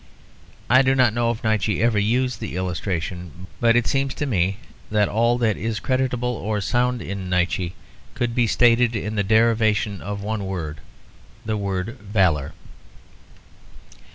I do not know if Nietzsche ever used the illustration; but it seems to me that all that is creditable or sound in Nietzsche could be stated in the derivation of one word, the word "valour."